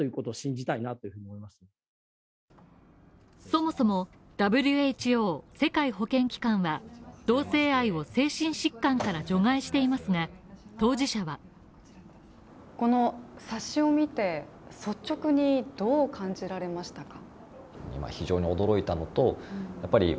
そもそもＷＨＯ＝世界保健機関は同性愛を精神疾患から除外していますが当事者はこの冊子を見て、率直にどう感じられましたか？